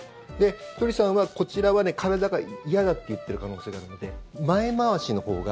ひとりさんは、こちらは体が嫌だって言っている可能性があって前回しのほうが。